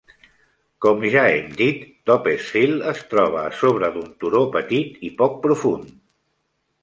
Com ja hem dit, Toppesfield es troba a sobre d'un turó petit i poc profund.